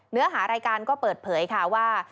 เนื้อหารายการก็เปิดเผยค่ะว่า